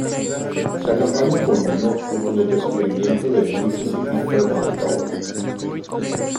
La campaña culminó con el descubrimiento de Mississippi Fred McDowell.